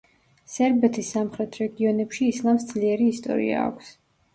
სერბეთის სამხრეთ რეგიონებში ისლამს ძლიერი ისტორია აქვს.